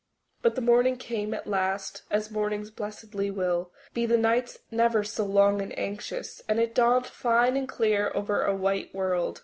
But the morning came at last, as mornings blessedly will, be the nights never so long and anxious, and it dawned fine and clear over a white world.